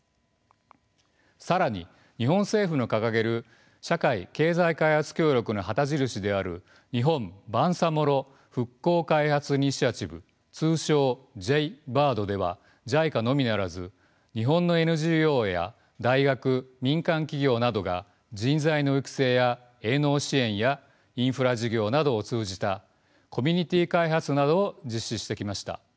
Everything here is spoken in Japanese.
更に日本政府の掲げる社会経済開発協力の旗印である日本・バンサモロ復興開発イニシアティブ通称Ｊ−ＢＩＲＤではＪＩＣＡのみならず日本のＮＧＯや大学民間企業などが人材の育成や営農支援やインフラ事業などを通じたコミュニティ開発などを実施してきました。